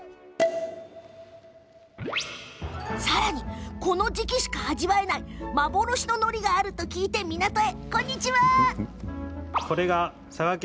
さらにこの時期しか味わえない幻ののりがあると聞いて港へ。